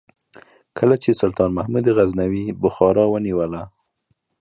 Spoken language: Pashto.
کله چې سلطان محمود غزنوي بخارا ونیوله.